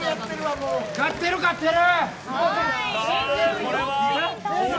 勝ってる、勝ってる。